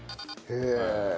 へえ。